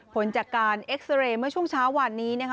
ผลจากการเอ็กซาเรย์เมื่อช่วงเช้าวันนี้นะคะ